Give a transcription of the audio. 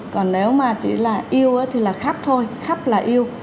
còn nếu mà tí là yêu thì là khắp thôi khắp là yêu